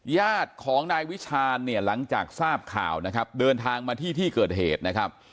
ญาติของนายวิชาณเนี่ยหลังจากทราบข่าวนะครับเดินทางมาที่ที่เกิดเหตุนะครับ